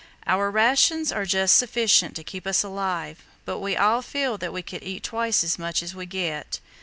"Our rations are just sufficient to keep us alive, but we all feel that we could eat twice as much as we get.